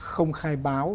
không khai báo